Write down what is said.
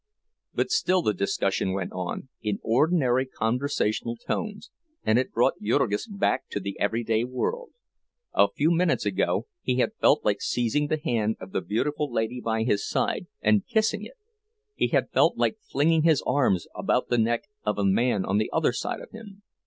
But still the discussion went on, in ordinary conversational tones, and it brought Jurgis back to the everyday world. A few minutes ago he had felt like seizing the hand of the beautiful lady by his side, and kissing it; he had felt like flinging his arms about the neck of the man on the other side of him.